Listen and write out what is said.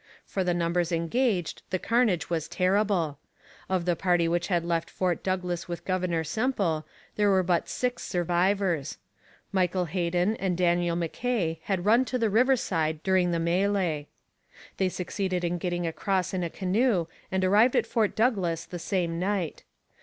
For the numbers engaged the carnage was terrible. Of the party which had left Fort Douglas with Governor Semple there were but six survivors. Michael Heden and Daniel M'Kay had run to the riverside during the mêlée. They succeeded in getting across in a canoe and arrived at Fort Douglas the same night.